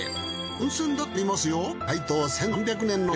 温泉だってありますよ。